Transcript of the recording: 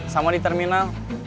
sama di terminal